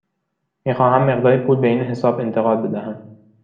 می خواهم مقداری پول به این حساب انتقال بدهم.